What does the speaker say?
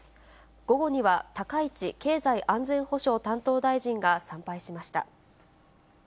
午後には、高市経済安全保障担当大臣が参拝しました。